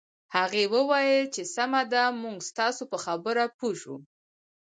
هغې وویل چې سمه ده موږ ستاسو په خبره پوه شوو